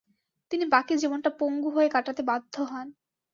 তিনি বাকি জীবনটা পঙ্গু হয়ে কাটাতে বাধ্য হন।